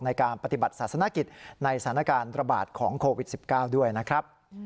ในการปฏิบัติศาสนกิจในสถานการณ์ระบาดของโควิด๑๙ด้วยนะครับ